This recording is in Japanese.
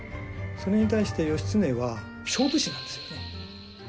それに対して義経は勝負師なんですよ。